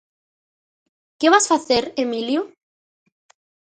–¿Que vas facer, Emilio?